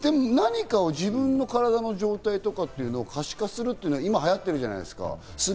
何か自分の体の状態を可視化するっていうの今流行ってるじゃないですか。